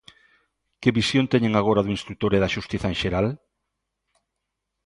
Que visión teñen agora do instrutor e da xustiza en xeral?